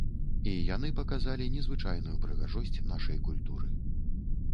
І яны паказалі незвычайную прыгажосць нашай культуры.